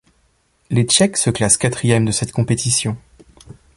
Les Tchèques se classent quatrième de cette compétition.